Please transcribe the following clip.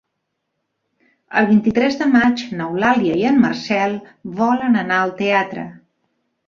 El vint-i-tres de maig n'Eulàlia i en Marcel volen anar al teatre.